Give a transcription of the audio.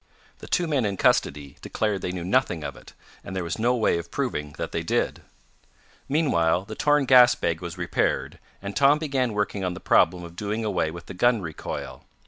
The two men in custody declared they knew nothing of it, and there was no way of proving that they did. Meanwhile, the torn gas bag was repaired, and Tom began working on the problem of doing away with the gun recoil.